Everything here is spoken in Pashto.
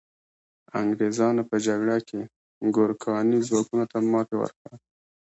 انګریزانو په جګړه کې ګورکاني ځواکونو ته ماتي ورکړه.